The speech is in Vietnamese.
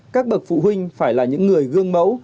các bậc phụ huynh phải là những người gương mẫu